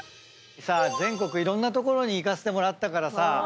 全国いろんな所に行かせてもらったからさ